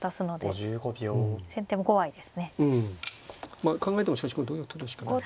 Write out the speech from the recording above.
まあ考えてもしかしこれ同玉取るしかない。